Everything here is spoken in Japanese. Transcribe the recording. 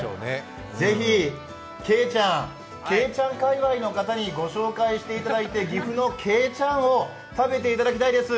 ぜひけいちゃん、けいちゃん界わいの方に紹介していただいて岐阜のけいちゃんを食べていただきたいです。